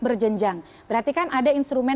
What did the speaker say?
berjenjang berarti kan ada instrumen